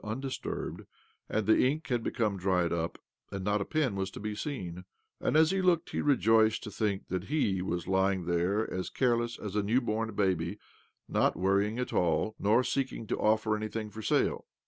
undisturbed, and the ink had be come dried up, and not a pen was to be seen ; and as he looked he rejoiced to think that he was lying there as careless as a new born baby — not worrying at all, nor seeking to offer anything for sale.